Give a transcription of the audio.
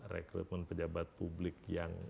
rekrutmen pejabat publik yang